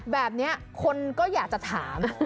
แบบนี้คนก็อยากจะถาม